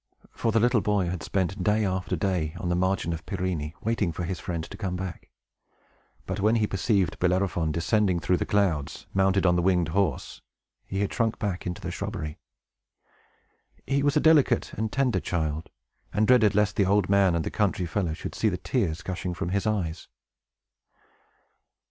For the little boy had spent day after day, on the margin of Pirene, waiting for his friend to come back; but when he perceived Bellerophon descending through the clouds, mounted on the winged horse, he had shrunk back into the shrubbery. He was a delicate and tender child, and dreaded lest the old man and the country fellow should see the tears gushing from his eyes.